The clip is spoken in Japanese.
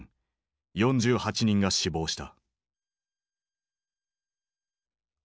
４８人が死亡した。